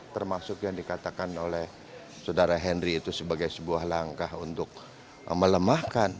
termasuk yang dikatakan oleh saudara henry itu sebagai sebuah langkah untuk melemahkan